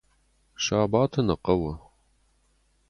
Сабаты нӕ хъӕуы.